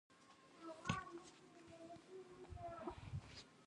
یو وزری، هغه څوک دئ، چي ورور او خور نه لري.